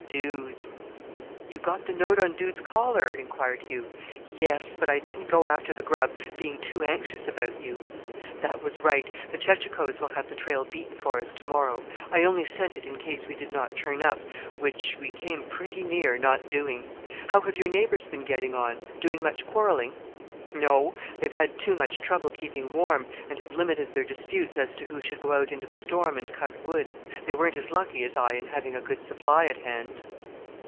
Dude! "You got the note on Dude's collar?" inquired Hugh. "Yes; but I didn't go after the grub, being too anxious about you." "That was right. The chechachoes will have the trail beaten for us to morrow. I only sent it in case we did not turn up, which we came pretty near not doing! How have your neighbours been getting on: doing much quarrelling?" "No; they have had too much trouble keeping warm, and have limited their disputes as to who should go out into the storm and cut wood. They weren't as lucky as I in having a good supply at hand."